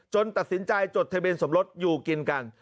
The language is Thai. ตัดสินใจจดทะเบียนสมรสอยู่กินกัน